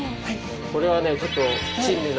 これはねちょっと珍味な。